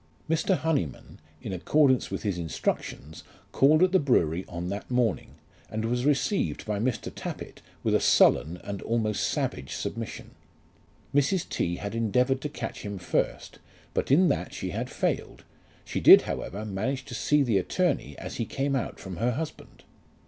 Mr. Honyman, in accordance with his instructions, called at the brewery on that morning, and was received by Mr. Tappitt with a sullen and almost savage submission. Mrs. T. had endeavoured to catch him first, but in that she had failed; she did, however, manage to see the attorney as he came out from her husband.